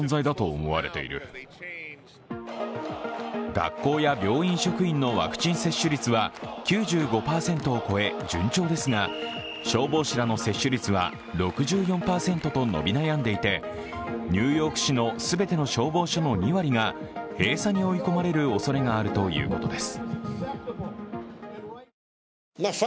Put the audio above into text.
学校や病院職員のワクチン接種率は９５％を超え順調ですが消防士らの接種率は６４％と伸び悩んでいて、ニューヨーク市の全ての消防署の２割が閉鎖に追い込まれるおそれがあるということです。